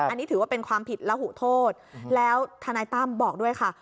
อันนี้ถือว่าเป็นความผิดระหูโทษแล้วทนายตั้มบอกด้วยค่ะ